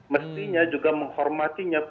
mestinya juga menghormati